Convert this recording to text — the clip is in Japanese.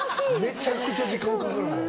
めちゃくちゃ時間かかりそう。